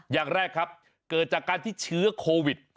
อย่างแรกครับเกิดจากการที่เชื้อโควิด